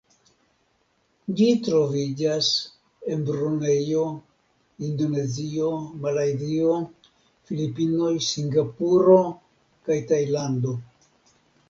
Ĝi troviĝas en Brunejo, Indonezio, Malajzio, Filipinoj, Singapuro kaj Tajlando.